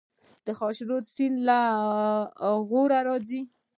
د خاشرود سیند له غور راځي